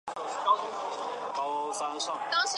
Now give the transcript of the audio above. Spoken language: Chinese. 被道教的外丹和内丹派都视为重要的着作。